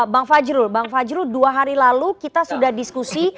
bang fajrul bang fajrul dua hari lalu kita sudah diskusi